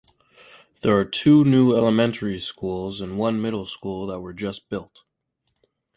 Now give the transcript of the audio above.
There are two new elementary schools and one middle school that were just built.